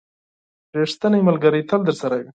• ریښتینی ملګری تل درسره وي.